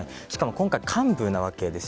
今回、幹部なわけです。